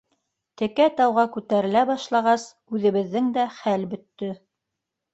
Текә тауға күтәрелә башлағас, үҙебеҙҙең дә хәл бөттө.